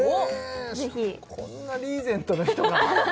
ぜひこんなリーゼントの人が？